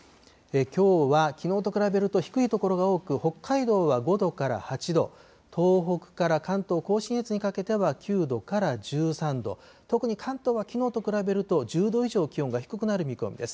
きょうは、きのうと比べると低い所が多く、北海道は５度から８度、東北から関東甲信越にかけては９度から１３度、特に関東はきのうと比べると、１０度以上気温が低くなる見込みです。